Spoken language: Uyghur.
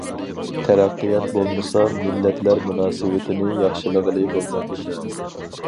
تەرەققىيات بولمىسا، مىللەتلەر مۇناسىۋىتىنى ياخشىلىغىلى بولمايدۇ.